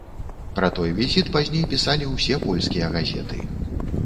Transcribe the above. Пра той візіт пазней пісалі ўсе польскія газеты.